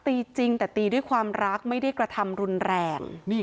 จริงแต่ตีด้วยความรักไม่ได้กระทำรุนแรง